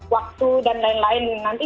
waktu dan lain lain nanti